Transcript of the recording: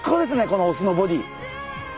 このオスのボディー。